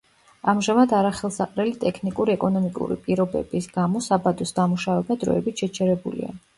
ამჟამად არახელსაყრელი ტექნიკურ-ეკონომიკური პირობების გამო საბადოს დამუშავება დროებით შეჩერებულია.